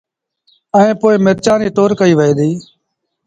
ائيٚݩ پو مرچآݩ ريٚ تور ڪئيٚ وهي ديٚ